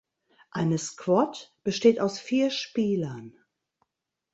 Eine Squad besteht aus vier Spielern.